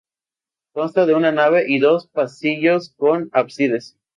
Consta de una nave y dos pasillos con ábsides.